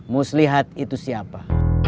muslihat itu siapa